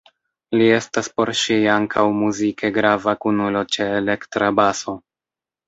Li estas por ŝi ankaŭ muzike grava kunulo ĉe elektra baso.